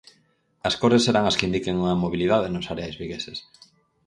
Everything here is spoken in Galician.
As cores serán as que indiquen a mobilidade nos areais vigueses.